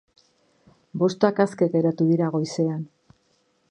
Bostak aske geratu dira goizean.